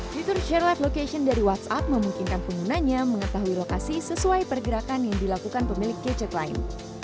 fitur share live location dari whatsapp memungkinkan penggunanya mengetahui lokasi sesuai pergerakan yang dilakukan pemilik gadget lain